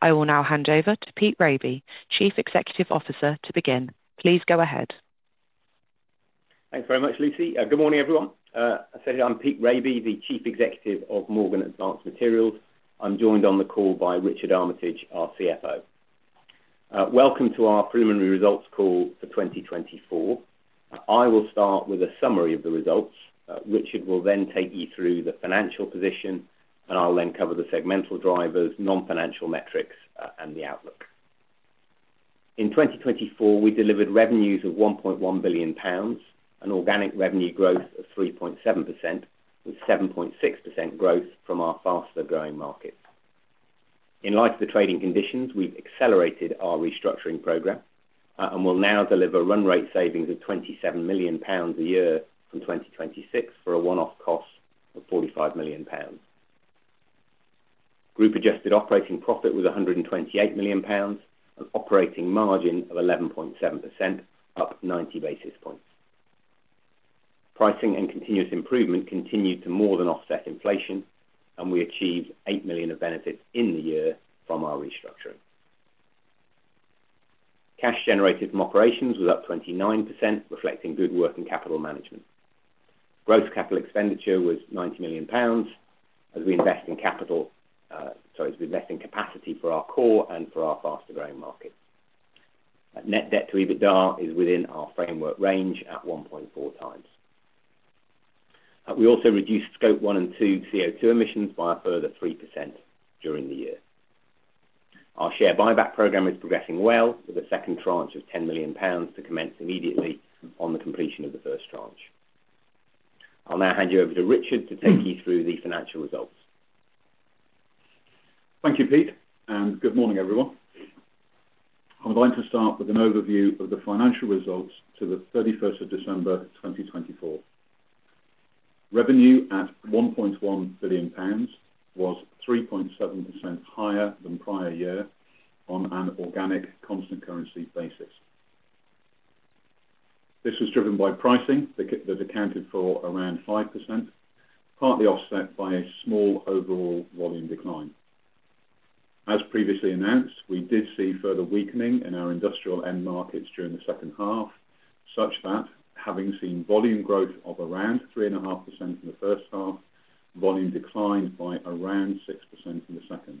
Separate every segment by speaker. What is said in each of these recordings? Speaker 1: I will now hand over to Pete Raby, Chief Executive Officer, to begin. Please go ahead.
Speaker 2: Thanks very much, Lucy. Good morning, everyone. As I said, I'm Pete Raby, the Chief Executive Officer of Morgan Advanced Materials. I'm joined on the call by Richard Armitage, our CFO. Welcome to our preliminary results call for 2024. I will start with a summary of the results. Richard will then take you through the financial position, and I'll then cover the segmental drivers, non-financial metrics, and the outlook. In 2024, we delivered revenues of 1.1 billion pounds, an organic revenue growth of 3.7%, with 7.6% growth from our faster-growing markets. In light of the trading conditions, we've accelerated our restructuring program and will now deliver run rate savings of GBP 27 million a year from 2026 for a one-off cost of GBP 45 million. Group-adjusted operating profit was GBP 128 million, an operating margin of 11.7%, up 90 basis points. Pricing and continuous improvement continue to more than offset inflation, and we achieved 8 million of benefits in the year from our restructuring. Cash generated from operations was up 29%, reflecting good work and capital management. Gross capital expenditure was 90 million pounds, as we invest in capital, sorry, as we invest in capacity for our core and for our faster-growing markets. Net debt to EBITDA is within our framework range at 1.4 times. We also reduced scope one and two CO2 emissions by a further 3% during the year. Our share buyback program is progressing well, with a second tranche of 10 million pounds to commence immediately on the completion of the first tranche. I'll now hand you over to Richard to take you through the financial results.
Speaker 3: Thank you, Pete, and good morning, everyone. I would like to start with an overview of the financial results to the 31st of December 2024. Revenue at 1.1 billion pounds was 3.7% higher than prior year on an organic constant currency basis. This was driven by pricing that accounted for around 5%, partly offset by a small overall volume decline. As previously announced, we did see further weakening in our industrial end markets during the second half, such that, having seen volume growth of around 3.5% in the first half, volume declined by around 6% in the second.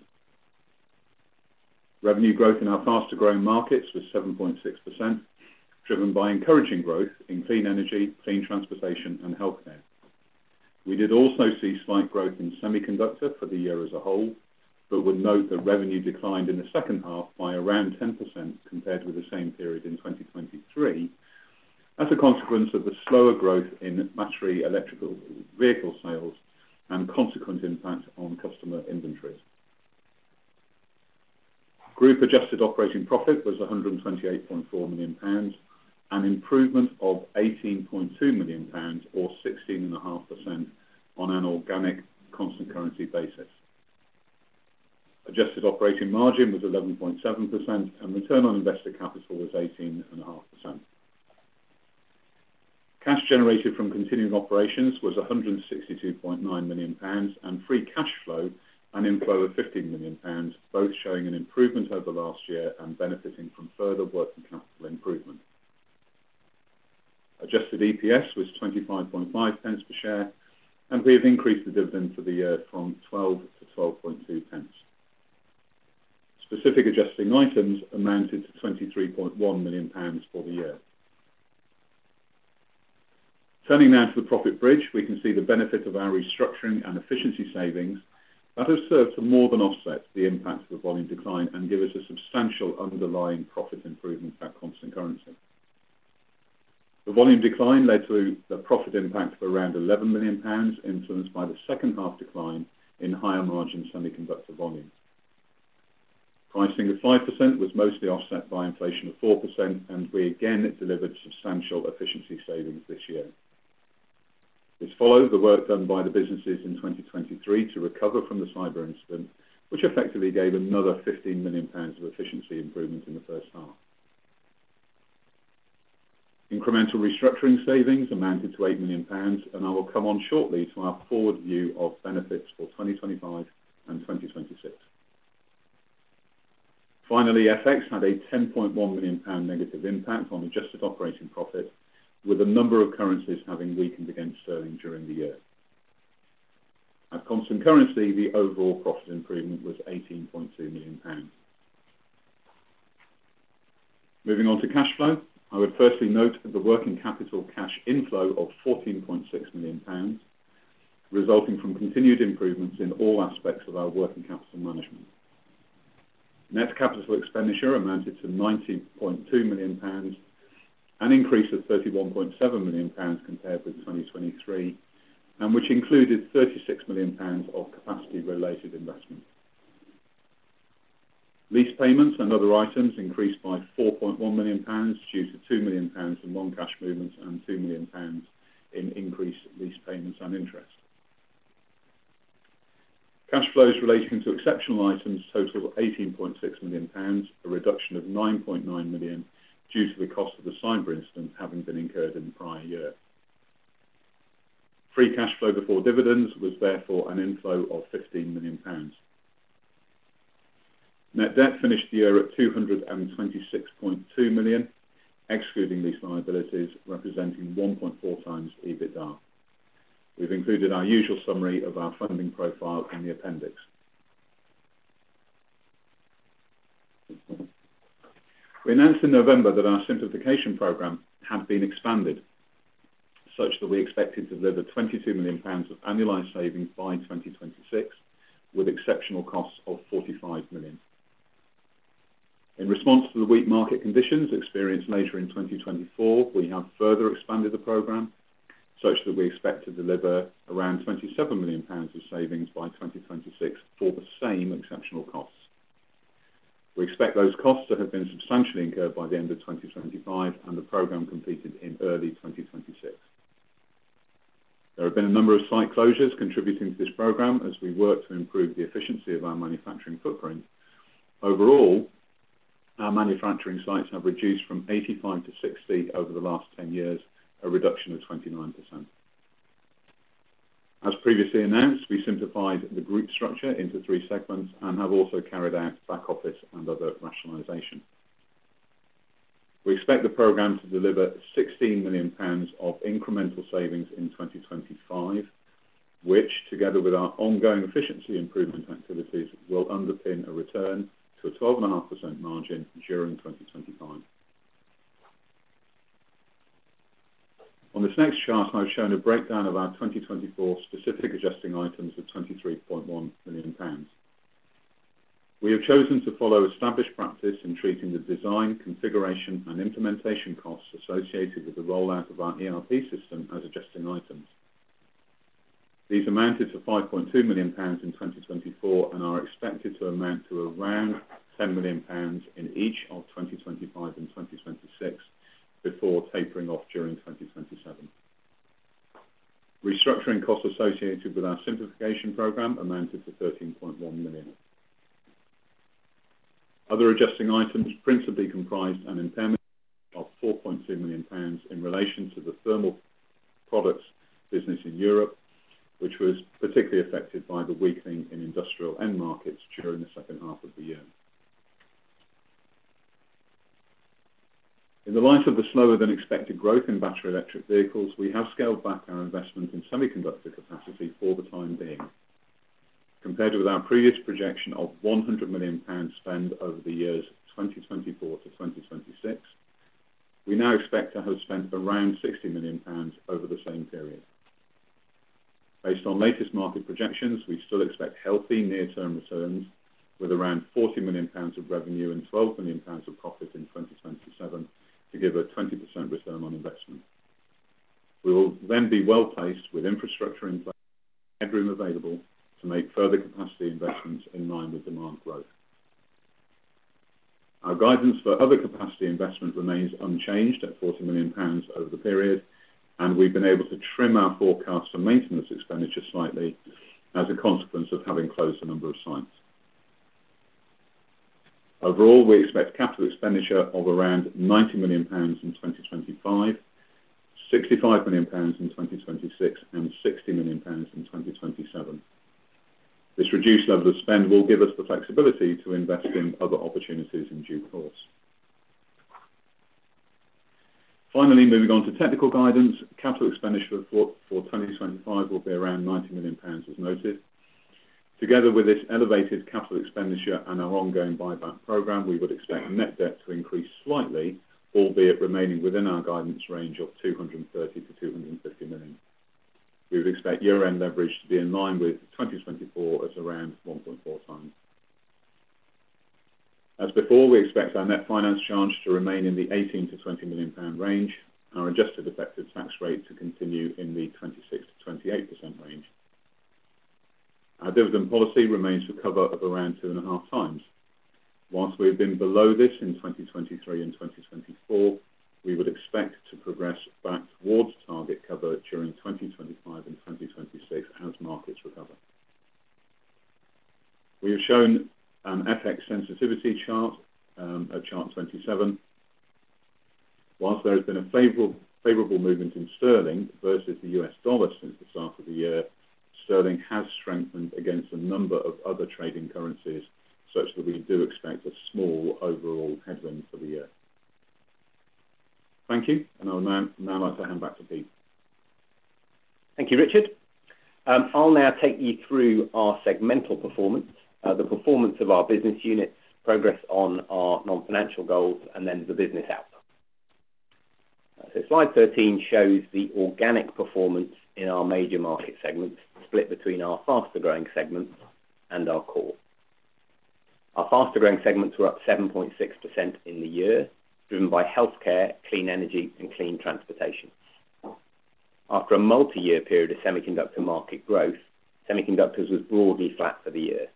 Speaker 3: Revenue growth in our faster-growing markets was 7.6%, driven by encouraging growth in clean energy, clean transportation, and healthcare. We did also see slight growth in semiconductor for the year as a whole, but would note that revenue declined in the second half by around 10% compared with the same period in 2023, as a consequence of the slower growth in battery electric vehicle sales and consequent impact on customer inventory. Group-adjusted operating profit was 128.4 million pounds, an improvement of 18.2 million pounds or 16.5% on an organic constant currency basis. Adjusted operating margin was 11.7%, and return on invested capital was 18.5%. Cash generated from continuing operations was 162.9 million pounds, and free cash flow an inflow of 15 million pounds, both showing an improvement over last year and benefiting from further working capital improvement. Adjusted EPS was 25.5 pence per share, and we have increased the dividend for the year from 12 to 12.2 pence. Specific adjusting items amounted to 23.1 million pounds for the year. Turning now to the profit bridge, we can see the benefit of our restructuring and efficiency savings that have served to more than offset the impact of the volume decline and give us a substantial underlying profit improvement by constant currency. The volume decline led to the profit impact of around 11 million pounds, influenced by the second half decline in higher margin semiconductor volume. Pricing of 5% was mostly offset by inflation of 4%, and we again delivered substantial efficiency savings this year. This followed the work done by the businesses in 2023 to recover from the cyber incident, which effectively gave another 15 million pounds of efficiency improvement in the first half. Incremental restructuring savings amounted to 8 million pounds, and I will come on shortly to our forward view of benefits for 2025 and 2026. Finally, FX had a 10.1 million pound negative impact on adjusted operating profit, with a number of currencies having weakened against sterling during the year. At constant currency, the overall profit improvement was 18.2 million pounds. Moving on to cash flow, I would firstly note the working capital cash inflow of 14.6 million pounds, resulting from continued improvements in all aspects of our working capital management. Net capital expenditure amounted to GBP 19.2 million, an increase of GBP 31.7 million compared with 2023, and which included GBP 36 million of capacity-related investment. Lease payments and other items increased by 4.1 million pounds due to 2 million pounds in non-cash movements and 2 million pounds in increased lease payments and interest. Cash flows relating to exceptional items totaled 18.6 million pounds, a reduction of 9.9 million due to the cost of the cyber incident having been incurred in the prior year. Free cash flow before dividends was therefore an inflow of 15 million pounds. Net debt finished the year at 226.2 million, excluding lease liabilities, representing 1.4 times EBITDA. We have included our usual summary of our funding profile in the appendix. We announced in November that our simplification program had been expanded, such that we expected to deliver 22 million pounds of annualized savings by 2026, with exceptional costs of 45 million. In response to the weak market conditions experienced later in 2024, we have further expanded the program, such that we expect to deliver around 27 million pounds of savings by 2026 for the same exceptional costs. We expect those costs to have been substantially incurred by the end of 2025, and the program completed in early 2026. There have been a number of site closures contributing to this program as we work to improve the efficiency of our manufacturing footprint. Overall, our manufacturing sites have reduced from 85 to 60 over the last 10 years, a reduction of 29%. As previously announced, we simplified the group structure into three segments and have also carried out back office and other rationalisation. We expect the program to deliver 16 million pounds of incremental savings in 2025, which, together with our ongoing efficiency improvement activities, will underpin a return to a 12.5% margin during 2025. On this next chart, I've shown a breakdown of our 2024 specific adjusting items of 23.1 million pounds. We have chosen to follow established practice in treating the design, configuration, and implementation costs associated with the rollout of our ERP system as adjusting items. These amounted to 5.2 million pounds in 2024 and are expected to amount to around 10 million pounds in each of 2025 and 2026 before tapering off during 2027. Restructuring costs associated with our simplification program amounted to 13.1 million. Other adjusting items principally comprised an impairment of 4.2 million pounds in relation to the Thermal Products business in Europe, which was particularly affected by the weakening in industrial end markets during the second half of the year. In the light of the slower-than-expected growth in battery electric vehicles, we have scaled back our investment in semiconductor capacity for the time being. Compared with our previous projection of 100 million pound spend over the years 2024 to 2026, we now expect to have spent around 60 million pounds over the same period. Based on latest market projections, we still expect healthy near-term returns with around 40 million pounds of revenue and 12 million pounds of profit in 2027 to give a 20% return on investment. We will then be well placed with infrastructure in place and headroom available to make further capacity investments in line with demand growth. Our guidance for other capacity investment remains unchanged at 40 million pounds over the period, and we've been able to trim our forecast for maintenance expenditure slightly as a consequence of having closed a number of sites. Overall, we expect capital expenditure of around 90 million pounds in 2025, 65 million pounds in 2026, and 60 million pounds in 2027. This reduced level of spend will give us the flexibility to invest in other opportunities in due course. Finally, moving on to technical guidance, capital expenditure for 2025 will be around 90 million pounds, as noted. Together with this elevated capital expenditure and our ongoing buyback program, we would expect net debt to increase slightly, albeit remaining within our guidance range of 230-250 million. We would expect year-end leverage to be in line with 2024 at around 1.4 times. As before, we expect our net finance charge to remain in the 18 million-20 million pound range, our adjusted effective tax rate to continue in the 26%-28% range. Our dividend policy remains for cover of around two and a half times. Whilst we have been below this in 2023 and 2024, we would expect to progress back towards target cover during 2025 and 2026 as markets recover. We have shown an FX sensitivity chart at chart 27. Whilst there has been a favorable movement in sterling versus the U.S. dollar since the start of the year, sterling has strengthened against a number of other trading currencies, such that we do expect a small overall headwind for the year. Thank you, and I would now like to hand back to Pete.
Speaker 2: Thank you, Richard. I'll now take you through our segmental performance, the performance of our business units, progress on our non-financial goals, and then the business outcome. Slide 13 shows the organic performance in our major market segments split between our faster-growing segments and our core. Our faster-growing segments were up 7.6% in the year, driven by healthcare, clean energy, and clean transportation. After a multi-year period of semiconductor market growth, semiconductors was broadly flat for the year.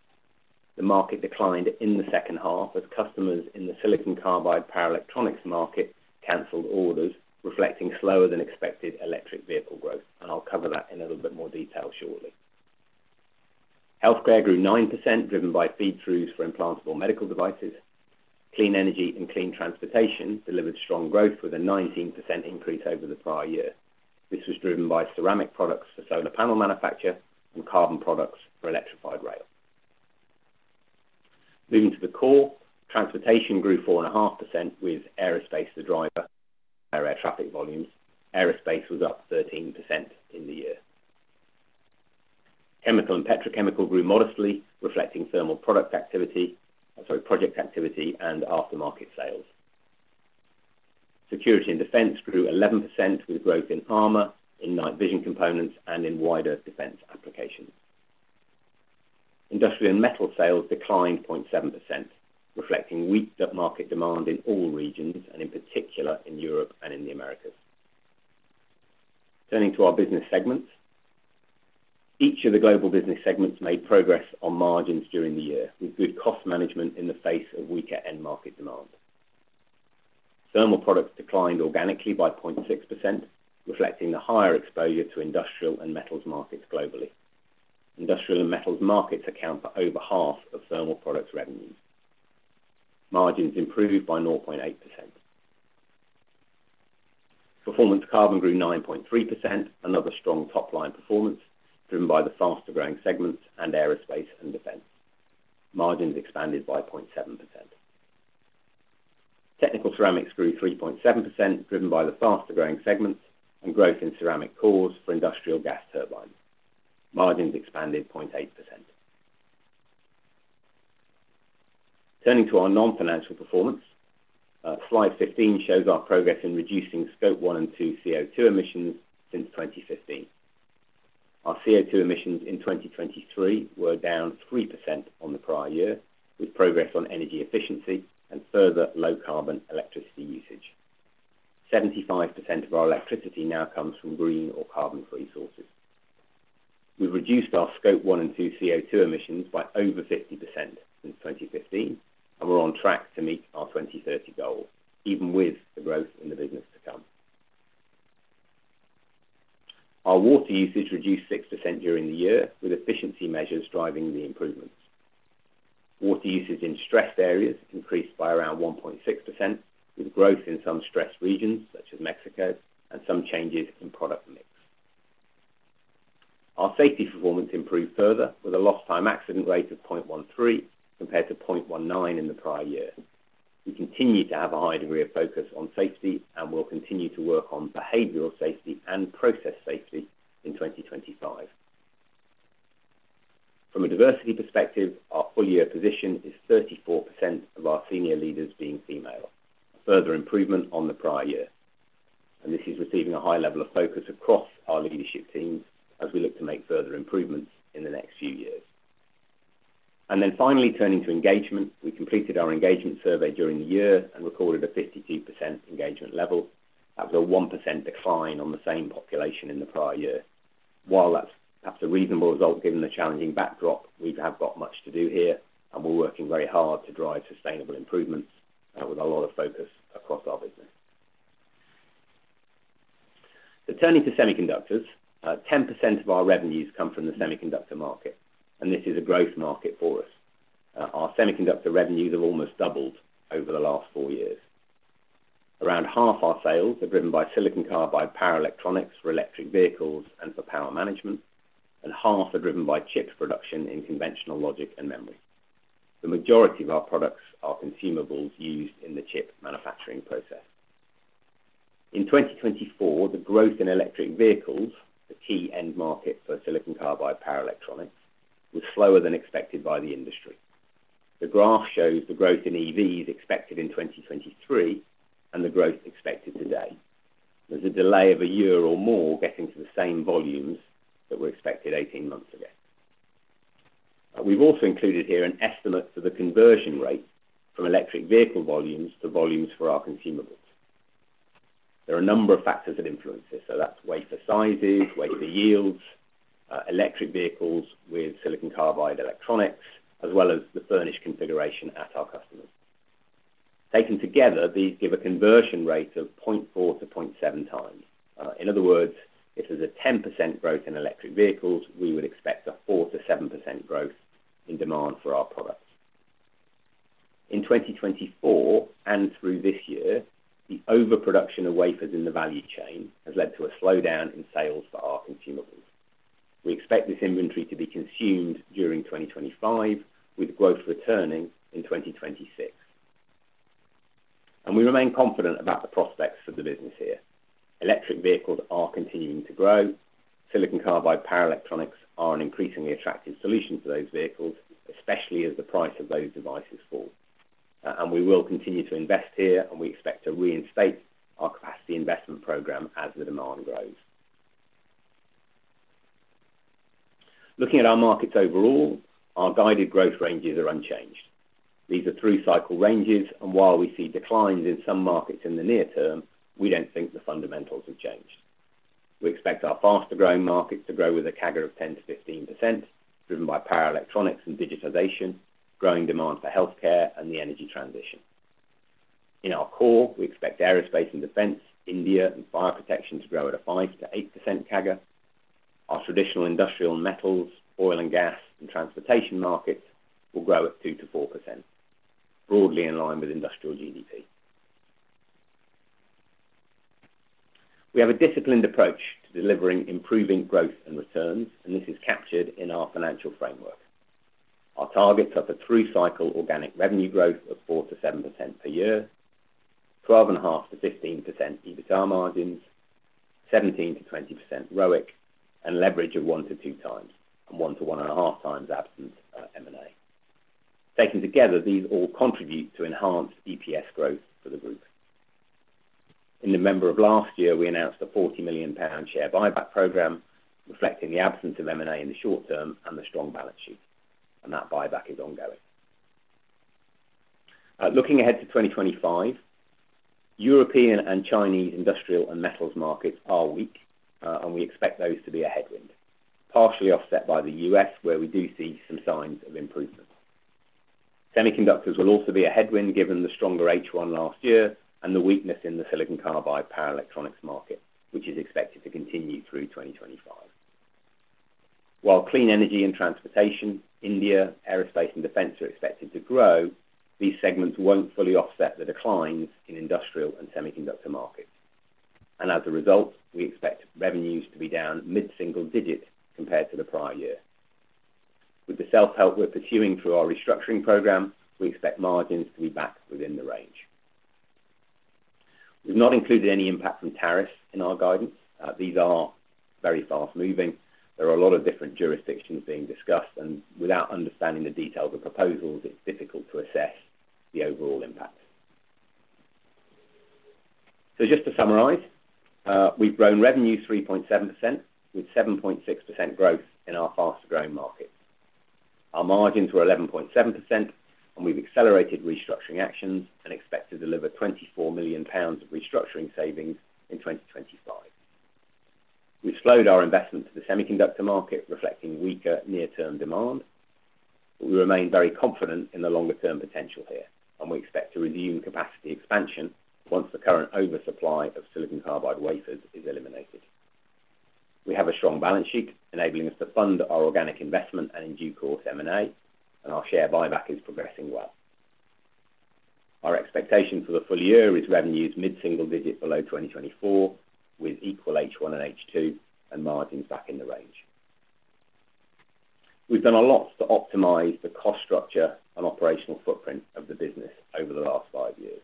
Speaker 2: The market declined in the second half as customers in the silicon carbide power electronics market cancelled orders, reflecting slower-than-expected electric vehicle growth, and I'll cover that in a little bit more detail shortly. Healthcare grew 9%, driven by feed-throughs for implantable medical devices. Clean energy and clean transportation delivered strong growth with a 19% increase over the prior year. This was driven by ceramic products for solar panel manufacture and carbon products for electrified rail. Moving to the core, transportation grew 4.5% with aerospace the driver, air traffic volumes. Aerospace was up 13% in the year. Chemical and petrochemical grew modestly, reflecting thermal product activity, sorry, project activity, and aftermarket sales. Security and defence grew 11% with growth in armour, in night vision components, and in wider defence applications. Industrial and metal sales declined 0.7%, reflecting weak market demand in all regions and in particular in Europe and in the Americas. Turning to our business segments, each of the global business segments made progress on margins during the year with good cost management in the face of weaker end market demand. Thermal products declined organically by 0.6%, reflecting the higher exposure to industrial and metals markets globally. Industrial and metals markets account for over half of thermal products revenues. Margins improved by 0.8%. Performance carbon grew 9.3%, another strong top-line performance driven by the faster-growing segments and aerospace and defense. Margins expanded by 0.7%. Technical ceramics grew 3.7%, driven by the faster-growing segments and growth in ceramic cores for industrial gas turbines. Margins expanded 0.8%. Turning to our non-financial performance, slide 15 shows our progress in reducing scope one and two CO2 emissions since 2015. Our CO2 emissions in 2023 were down 3% on the prior year, with progress on energy efficiency and further low-carbon electricity usage. 75% of our electricity now comes from green or carbon-free sources. We've reduced our scope one and two CO2 emissions by over 50% since 2015, and we're on track to meet our 2030 goal, even with the growth in the business to come. Our water usage reduced 6% during the year, with efficiency measures driving the improvements. Water usage in stressed areas increased by around 1.6%, with growth in some stressed regions, such as Mexico, and some changes in product mix. Our safety performance improved further with a lost-time accident rate of 0.13 compared to 0.19 in the prior year. We continue to have a high degree of focus on safety and will continue to work on behavioral safety and process safety in 2025. From a diversity perspective, our full-year position is 34% of our senior leaders being female, further improvement on the prior year. This is receiving a high level of focus across our leadership teams as we look to make further improvements in the next few years. Finally, turning to engagement, we completed our engagement survey during the year and recorded a 52% engagement level. That was a 1% decline on the same population in the prior year. While that's perhaps a reasonable result given the challenging backdrop, we've got much to do here, and we're working very hard to drive sustainable improvements with a lot of focus across our business. Turning to semiconductors, 10% of our revenues come from the semiconductor market, and this is a growth market for us. Our semiconductor revenues have almost doubled over the last four years. Around half our sales are driven by silicon carbide power electronics for electric vehicles and for power management, and half are driven by chip production in conventional logic and memory. The majority of our products are consumables used in the chip manufacturing process. In 2024, the growth in electric vehicles, the key end market for silicon carbide power electronics, was slower than expected by the industry. The graph shows the growth in EVs expected in 2023 and the growth expected today. There's a delay of a year or more getting to the same volumes that were expected 18 months ago. We've also included here an estimate for the conversion rate from electric vehicle volumes to volumes for our consumables. There are a number of factors that influence this, so that's wafer sizes, wafer yields, electric vehicles with silicon carbide electronics, as well as the furnished configuration at our customers. Taken together, these give a conversion rate of 0.4-0.7 times. In other words, if there's a 10% growth in electric vehicles, we would expect a 4%-7% growth in demand for our products. In 2024 and through this year, the overproduction of wafers in the value chain has led to a slowdown in sales for our consumables. We expect this inventory to be consumed during 2025, with growth returning in 2026. We remain confident about the prospects for the business here. Electric vehicles are continuing to grow. Silicon carbide power electronics are an increasingly attractive solution for those vehicles, especially as the price of those devices falls. We will continue to invest here, and we expect to reinstate our capacity investment program as the demand grows. Looking at our markets overall, our guided growth ranges are unchanged. These are through cycle ranges, and while we see declines in some markets in the near term, we do not think the fundamentals have changed. We expect our faster-growing markets to grow with a CAGR of 10%-15%, driven by power electronics and digitization, growing demand for healthcare and the energy transition. In our core, we expect aerospace and defence, India, and fire protection to grow at a 5%-8% CAGR. Our traditional industrial metals, oil and gas, and transportation markets will grow at 2%-4%, broadly in line with industrial GDP. We have a disciplined approach to delivering improving growth and returns, and this is captured in our financial framework. Our targets are for through cycle organic revenue growth of 4%-7% per year, 12.5%-15% EBITDA margins, 17%-20% ROIC, and leverage of 1-2 times, and 1-1.5 times absence of M&A. Taken together, these all contribute to enhanced EPS growth for the group. In November of last year, we announced a 40 million pound share buyback program, reflecting the absence of M&A in the short term and the strong balance sheet, and that buyback is ongoing. Looking ahead to 2025, European and Chinese industrial and metals markets are weak, and we expect those to be a headwind, partially offset by the U.S., where we do see some signs of improvement. Semiconductors will also be a headwind given the stronger H1 last year and the weakness in the silicon carbide power electronics market, which is expected to continue through 2025. While clean energy and transportation, India, aerospace, and defense are expected to grow, these segments will not fully offset the declines in industrial and semiconductor markets. As a result, we expect revenues to be down mid-single digit compared to the prior year. With the self-help we are pursuing through our restructuring program, we expect margins to be back within the range. We have not included any impact from tariffs in our guidance. These are very fast-moving. There are a lot of different jurisdictions being discussed, and without understanding the details of proposals, it's difficult to assess the overall impact. Just to summarize, we've grown revenues 3.7% with 7.6% growth in our faster-growing markets. Our margins were 11.7%, and we've accelerated restructuring actions and expect to deliver 24 million pounds of restructuring savings in 2025. We've slowed our investment to the semiconductor market, reflecting weaker near-term demand, but we remain very confident in the longer-term potential here, and we expect to resume capacity expansion once the current oversupply of silicon carbide wafers is eliminated. We have a strong balance sheet enabling us to fund our organic investment and in due course M&A, and our share buyback is progressing well. Our expectation for the full year is revenues mid-single digit below 2024 with equal H1 and H2 and margins back in the range. We've done a lot to optimize the cost structure and operational footprint of the business over the last five years.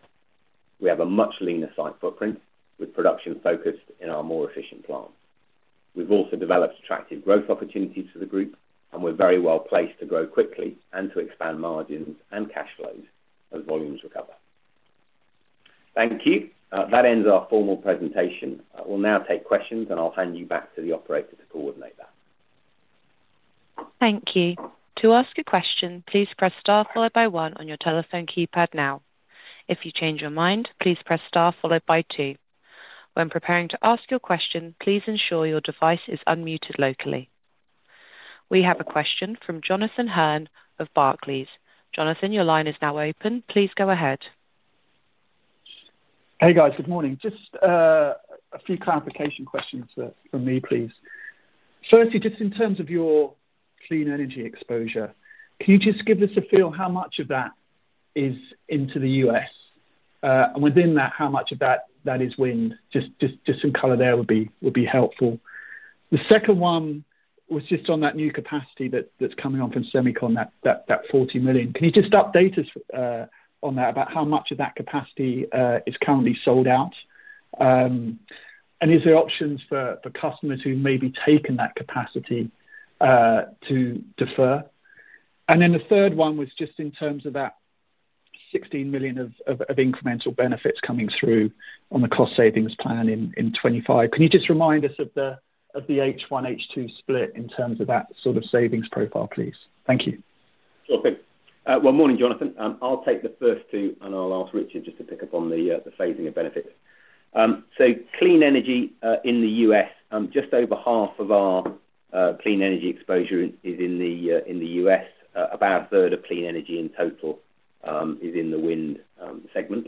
Speaker 2: We have a much leaner site footprint with production focused in our more efficient plants. We've also developed attractive growth opportunities for the group, and we're very well placed to grow quickly and to expand margins and cash flows as volumes recover. Thank you. That ends our formal presentation. We'll now take questions, and I'll hand you back to the operator to coordinate that.
Speaker 1: Thank you. To ask a question, please press star followed by one on your telephone keypad now. If you change your mind, please press star followed by two. When preparing to ask your question, please ensure your device is unmuted locally. We have a question from Jonathan Hearn of Barclays. Jonathan, your line is now open. Please go ahead.
Speaker 4: Hey, guys. Good morning. Just a few clarification questions from me, please. Firstly, just in terms of your clean energy exposure, can you just give us a feel how much of that is into the U.S.? And within that, how much of that is wind? Just some color there would be helpful. The second one was just on that new capacity that's coming on from semiconductor, that $40 million. Can you just update us on that, about how much of that capacity is currently sold out? And is there options for customers who may be taking that capacity to defer? The third one was just in terms of that $16 million of incremental benefits coming through on the cost savings plan in 2025. Can you just remind us of the H1, H2 split in terms of that sort of savings profile, please? Thank you.
Speaker 2: Sure thing. Morning, Jonathan. I'll take the first two, and I'll ask Richard just to pick up on the phasing of benefits. Clean energy in the U.S., just over half of our clean energy exposure is in the U.S. About a third of clean energy in total is in the wind segment.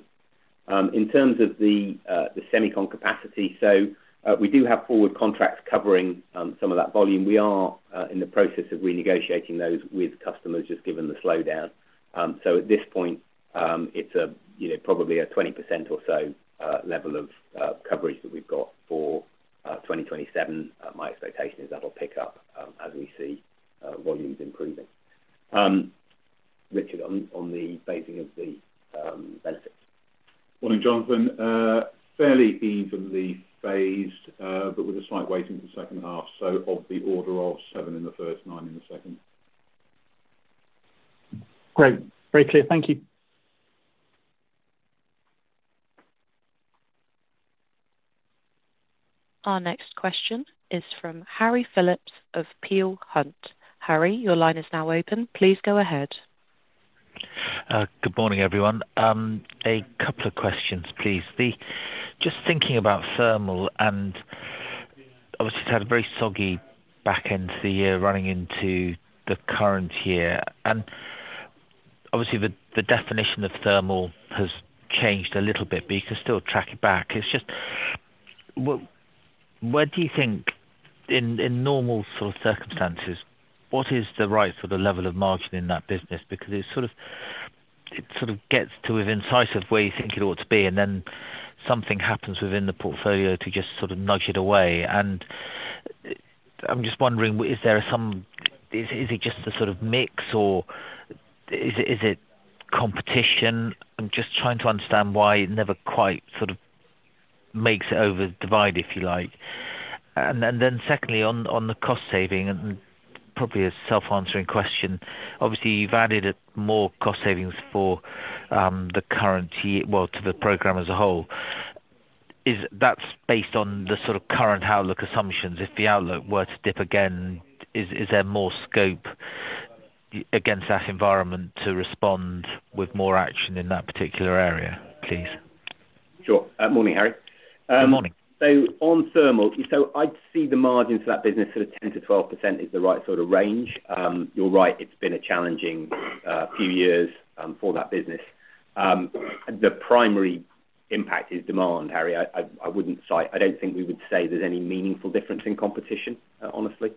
Speaker 2: In terms of the semiconductor capacity, we do have forward contracts covering some of that volume. We are in the process of renegotiating those with customers, just given the slowdown. At this point, it's probably a 20% or so level of coverage that we've got for 2027. My expectation is that'll pick up as we see volumes improving. Richard, on the phasing of the benefits.
Speaker 3: Morning, Jonathan. Fairly evenly phased, but with a slight weighting for the second half, so of the order of seven in the first, nine in the second.
Speaker 4: Great. Very clear. Thank you.
Speaker 1: Our next question is from Harry Phillips of Peel Hunt. Harry, your line is now open. Please go ahead.
Speaker 5: Good morning, everyone. A couple of questions, please. Just thinking about thermal, and obviously, it's had a very soggy back end to the year running into the current year. Obviously, the definition of thermal has changed a little bit, but you can still track it back. It's just, where do you think, in normal sort of circumstances, what is the right sort of level of margin in that business? Because it sort of gets to within sight of where you think it ought to be, and then something happens within the portfolio to just sort of nudge it away. I'm just wondering, is there some—is it just a sort of mix, or is it competition? I'm just trying to understand why it never quite sort of makes it over the divide, if you like. Secondly, on the cost saving, and probably a self-answering question, obviously, you've added more cost savings for the current year, to the program as a whole. Is that based on the sort of current outlook assumptions? If the outlook were to dip again, is there more scope against that environment to respond with more action in that particular area, please?
Speaker 2: Sure. Morning, Harry.
Speaker 5: Good morning.
Speaker 2: On thermal, I'd see the margin for that business at a 10%-12% is the right sort of range. You're right, it's been a challenging few years for that business. The primary impact is demand, Harry. I wouldn't say—I don't think we would say there's any meaningful difference in competition, honestly.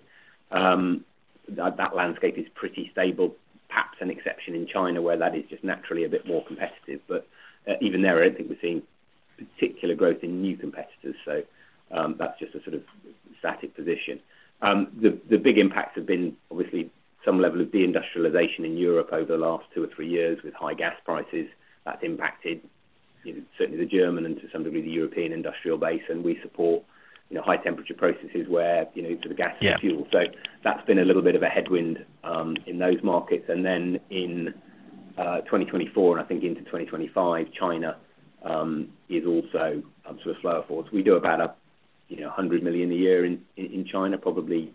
Speaker 2: That landscape is pretty stable. Perhaps an exception in China where that is just naturally a bit more competitive. Even there, I don't think we're seeing particular growth in new competitors, so that's just a sort of static position. The big impacts have been, obviously, some level of deindustrialisation in Europe over the last two or three years with high gas prices. That's impacted certainly the German and, to some degree, the European industrial base. We support high-temperature processes where it's the gas and the fuel. That has been a little bit of a headwind in those markets. In 2024, and I think into 2025, China is also sort of slower forwards. We do about $100 million a year in China. Probably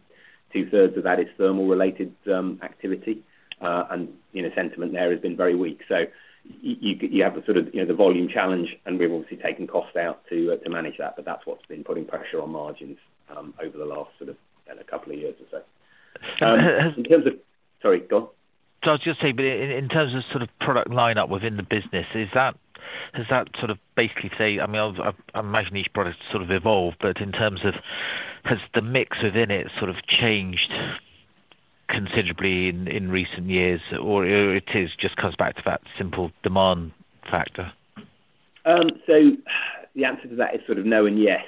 Speaker 2: two-thirds of that is thermal-related activity. Sentiment there has been very weak. You have sort of the volume challenge, and we have obviously taken cost out to manage that, but that is what has been putting pressure on margins over the last couple of years or so.
Speaker 5: In terms of—
Speaker 2: sorry, go on.
Speaker 5: I was just saying, but in terms of sort of product lineup within the business, has that sort of basically—I mean, I imagine each product sort of evolved, but in terms of has the mix within it sort of changed considerably in recent years, or it just comes back to that simple demand factor?
Speaker 2: The answer to that is sort of no and yes.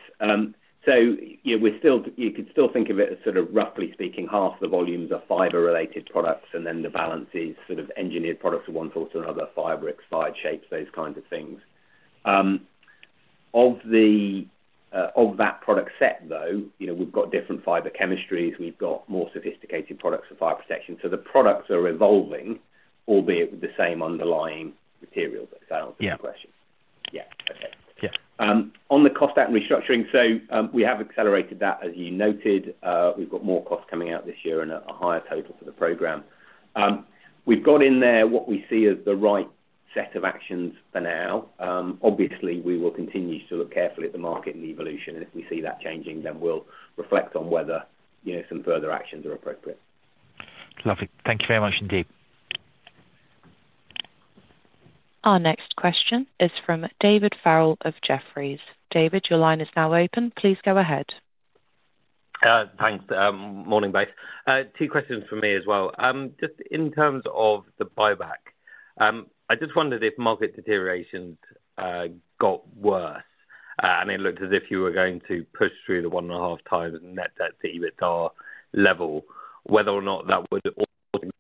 Speaker 2: You could still think of it as, roughly speaking, half the volumes are fibre-related products, and then the balance is sort of engineered products of one sort or another: fibre, expired shapes, those kinds of things. Of that product set, though, we've got different fibre chemistries. We've got more sophisticated products for fire protection. The products are evolving, albeit with the same underlying materials, if that answers your question.
Speaker 5: Yeah.
Speaker 2: Yeah. Okay. On the cost out and restructuring, we have accelerated that, as you noted. We have more costs coming out this year and a higher total for the program. We have in there what we see as the right set of actions for now. Obviously, we will continue to look carefully at the market and the evolution, and if we see that changing, then we will reflect on whether some further actions are appropriate.
Speaker 5: Lovely. Thank you very much indeed.
Speaker 1: Our next question is from David Farrell of Jefferies. David, your line is now open. Please go ahead.
Speaker 6: Thanks. Morning, both. Two questions for me as well. Just in terms of the buyback, I just wondered if market deterioration got worse. I mean, it looked as if you were going to push through the one-and-a-half times net debt that you were at our level, whether or not that would automatically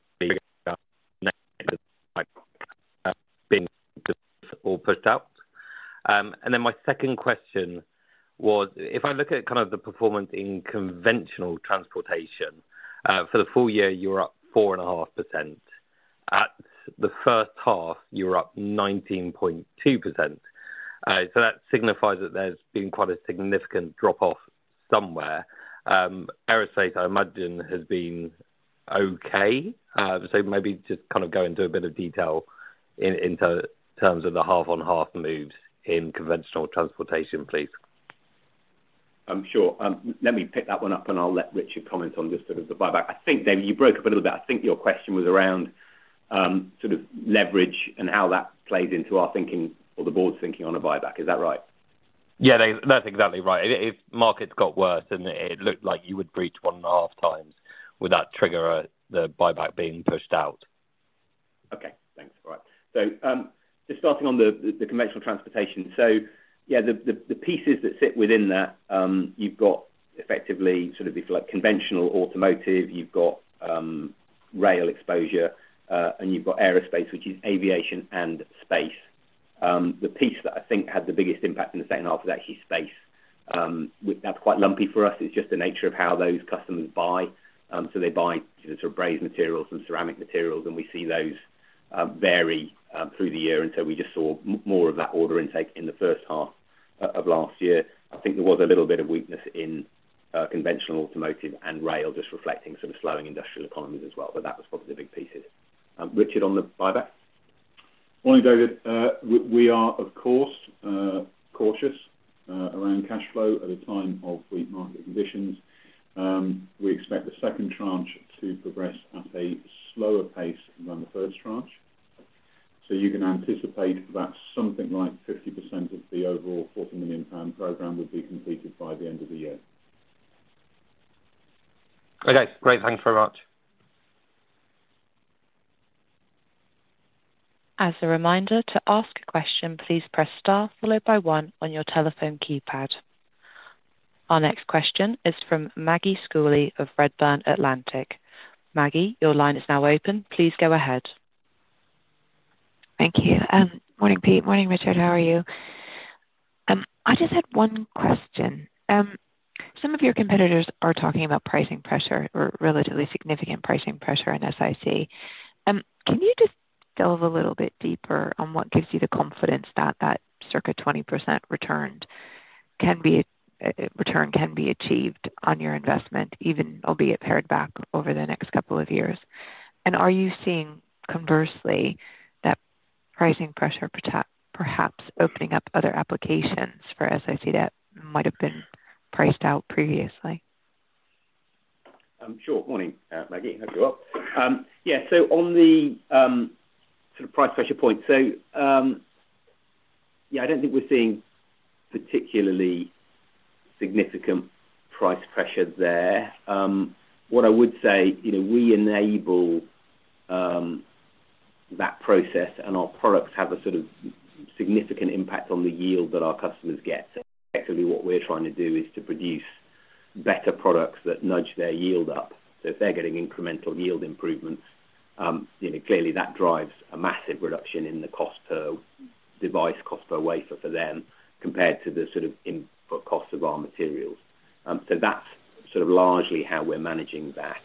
Speaker 6: be being pushed out. My second question was, if I look at kind of the performance in conventional transportation, for the full year, you were up 4.5%. At the first half, you were up 19.2%. That signifies that there's been quite a significant drop-off somewhere. Aerospace, I imagine, has been okay. Maybe just kind of go into a bit of detail in terms of the half-on-half moves in conventional transportation, please.
Speaker 2: Sure. Let me pick that one up, and I'll let Richard comment on just sort of the buyback. I think, David, you broke up a little bit. I think your question was around sort of leverage and how that plays into our thinking or the board's thinking on a buyback. Is that right?
Speaker 6: Yeah, that's exactly right. If markets got worse and it looked like you would breach one-and-a-half times, would that trigger the buyback being pushed out?
Speaker 2: Okay. Thanks. All right. Just starting on the conventional transportation. The pieces that sit within that, you've got effectively sort of, if you like, conventional automotive, you've got rail exposure, and you've got aerospace, which is aviation and space. The piece that I think had the biggest impact in the second half is actually space. That's quite lumpy for us. It's just the nature of how those customers buy. They buy sort of braised materials and ceramic materials, and we see those vary through the year. We just saw more of that order intake in the first half of last year. I think there was a little bit of weakness in conventional automotive and rail, just reflecting sort of slowing industrial economies as well. That was probably the big pieces. Richard, on the buyback?
Speaker 3: Morning, David. We are, of course, cautious around cash flow at a time of weak market conditions. We expect the second tranche to progress at a slower pace than the first tranche. You can anticipate that something like 50% of the overall 40 million pound program would be completed by the end of the year.
Speaker 6: Okay. Great. Thanks very much.
Speaker 1: As a reminder, to ask a question, please press star followed by one on your telephone keypad. Our next question is from Maggie Schooley of Redburn Atlantic. Maggie, your line is now open. Please go ahead.
Speaker 7: Thank you. Morning, Pete. Morning, Richard. How are you? I just had one question. Some of your competitors are talking about pricing pressure or relatively significant pricing pressure in SiC. Can you just delve a little bit deeper on what gives you the confidence that that circa 20% return can be achieved on your investment, albeit pared back over the next couple of years? Are you seeing, conversely, that pricing pressure perhaps opening up other applications for SiC that might have been priced out previously?
Speaker 2: Sure. Morning, Maggie. How can you help? Yeah. On the sort of price pressure point, I don't think we're seeing particularly significant price pressure there. What I would say, we enable that process, and our products have a significant impact on the yield that our customers get. Effectively, what we're trying to do is to produce better products that nudge their yield up. If they're getting incremental yield improvements, clearly, that drives a massive reduction in the cost per device, cost per wafer for them, compared to the input cost of our materials. That's largely how we're managing that.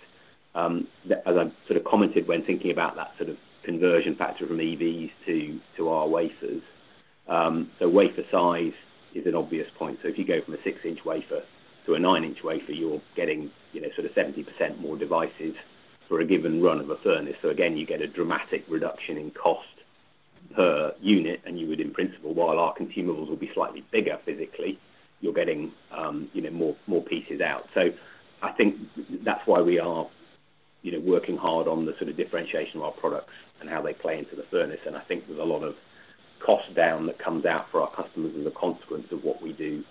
Speaker 2: As I commented when thinking about that conversion factor from EVs to our wafers. Wafer size is an obvious point. If you go from a six-inch wafer to a nine-inch wafer, you're getting sort of 70% more devices for a given run of a furnace. You get a dramatic reduction in cost per unit, and you would, in principle, while our consumables will be slightly bigger physically, you're getting more pieces out. I think that's why we are working hard on the sort of differentiation of our products and how they play into the furnace. I think there's a lot of cost down that comes out for our customers as a consequence of what we do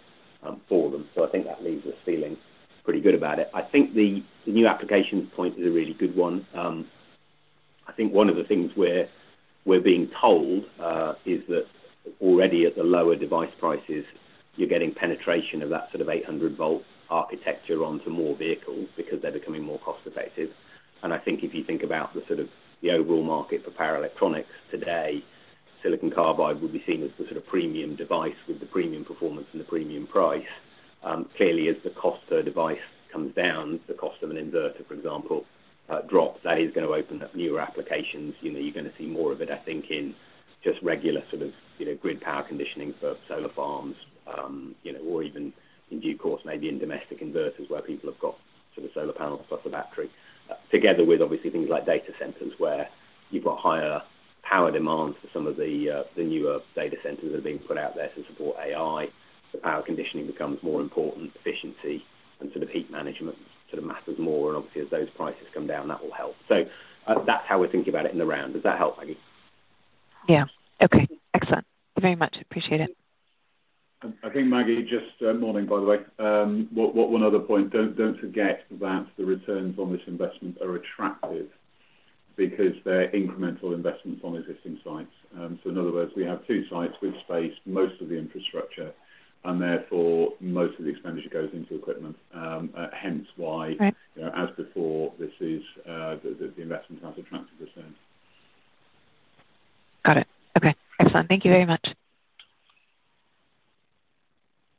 Speaker 2: for them. I think that leaves us feeling pretty good about it. I think the new applications point is a really good one. I think one of the things we're being told is that already, at the lower device prices, you're getting penetration of that sort of 800-volt architecture onto more vehicles because they're becoming more cost-effective. I think if you think about the sort of the overall market for power electronics today, silicon carbide would be seen as the sort of premium device with the premium performance and the premium price. Clearly, as the cost per device comes down, the cost of an inverter, for example, drops. That is going to open up newer applications. You're going to see more of it, I think, in just regular sort of grid power conditioning for solar farms or even in due course, maybe in domestic inverters where people have got sort of solar panels plus a battery, together with, obviously, things like data centers where you've got higher power demands for some of the newer data centers that are being put out there to support AI. The power conditioning becomes more important, efficiency, and sort of heat management sort of matters more. Obviously, as those prices come down, that will help. That's how we're thinking about it in the round. Does that help, Maggie?
Speaker 7: Yeah. Okay. Excellent. Very much appreciate it.
Speaker 3: I think, Maggie, just morning, by the way. One other point. Do not forget that the returns on this investment are attractive because they are incremental investments on existing sites. In other words, we have two sites with space, most of the infrastructure, and therefore, most of the expenditure goes into equipment. Hence why, as before, the investment has attractive returns.
Speaker 7: Got it. Okay. Excellent. Thank you very much.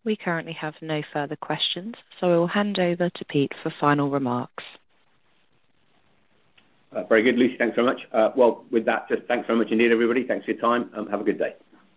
Speaker 1: We currently have no further questions, so we will hand over to Pete for final remarks.
Speaker 2: Very good. Lucy, thanks very much. With that, just thanks very much indeed, everybody. Thanks for your time. Have a good day.